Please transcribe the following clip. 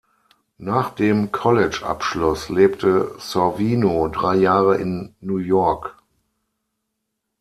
Nach dem Collegeabschluss lebte Sorvino drei Jahre in New York.